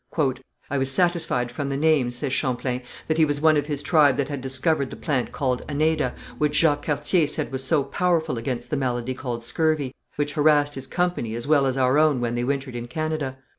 "I was satisfied from the name," says Champlain, "that he was one of his tribe that had discovered the plant called aneda, which Jacques Cartier said was so powerful against the malady called scurvy, which harassed his company as well as our own when they wintered in Canada.